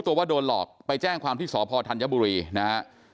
ว่าโดนหลอกไปแจ้งความที่สพธัญบุรีนะฮะ